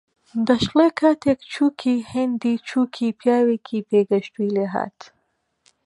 دەشڵێ کاتێک چووکی هێندەی چووکی پیاوێکی پێگەیشتووی لێهات